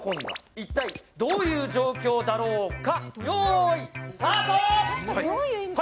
一体、どういう状況だろうか。